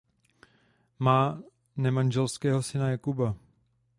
Má nemanželského syna Jakuba.